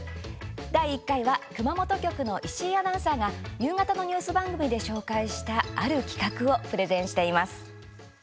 第１回は熊本局の石井アナウンサーが夕方のニュース番組で紹介したある企画をプレゼンします。